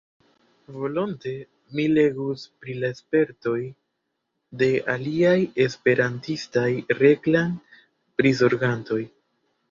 Volonte mi legus pri la spertoj de aliaj esperantistaj reklam-prizorgantoj.